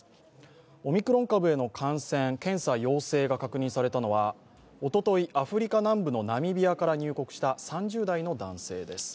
オミクロン株への感染検査陽性が確認されたのはおととい、アフリカ南部のナミビアから入国した３０代の男性です。